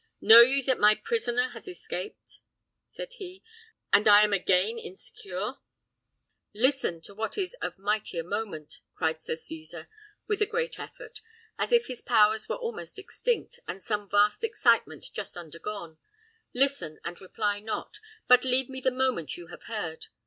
"Know ye that my prisoner has escaped," said he, "and I am again insecure?" "Listen to what is of mightier moment," cried Sir Cesar, with a great effort, as if his powers were almost extinct with some vast excitement just undergone. "Listen, and reply not; but leave me the moment you have heard.